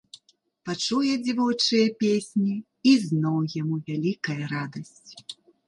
Пачуе дзявочыя песні, і зноў яму вялікая радасць.